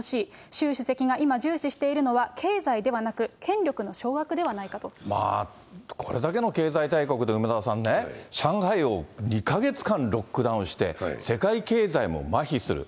習主席が今、重視しているのは経済ではなく、権力の掌握ではないこれだけの経済大国で梅沢さんね、上海を２か月間ロックダウンして、世界経済もまひする。